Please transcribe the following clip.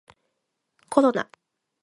コロナ